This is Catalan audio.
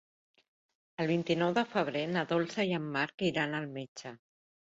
El vint-i-nou de febrer na Dolça i en Marc iran al metge.